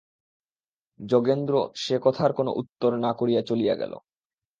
যোগেন্দ্র সে কথার কোনো উত্তর না করিয়া চলিয়া গেল।